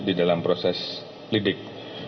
di dalam proses lidik